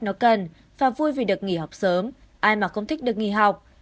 nó cần và vui vì được nghỉ học sớm ai mà không thích được nghỉ học